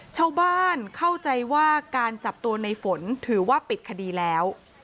ชาวบ้านเข้าใจว่าการจับตัวในฝนถือว่าปิดคดีแล้ว